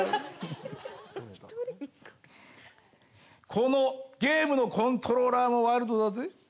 このゲームのコントローラーもワイルドだぜ。